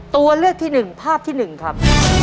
ตัวเลือกที่๑ภาพที่๑ครับ